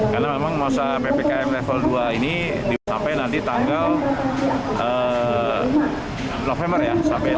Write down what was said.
karena memang masa ppkm level dua ini sampai nanti tanggal november ya